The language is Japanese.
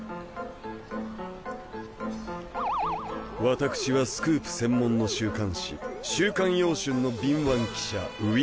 私はスクープ専門の週刊誌『週刊妖春』の敏腕記者ウィスパー。